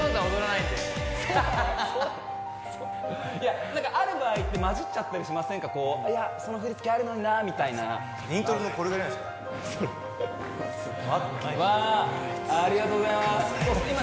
いやなんかある場合ってまじっちゃったりしませんかこういやその振り付けあるのになみたいなイントロのこれぐらいですかあとないですよわあ